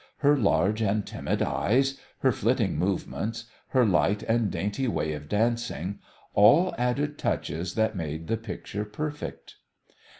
Her large and timid eyes, her flitting movements, her light and dainty way of dancing all added touches that made the picture perfect.